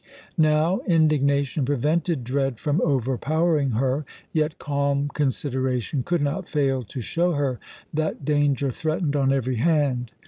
Now, indignation prevented dread from overpowering her, yet calm consideration could not fail to show her that danger threatened on every hand.